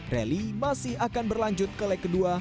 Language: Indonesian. rally masih akan berlanjut ke leg kedua